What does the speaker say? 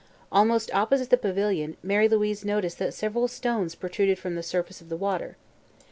Almost opposite the pavilion Mary Louise noticed that several stones protruded from the surface of the water.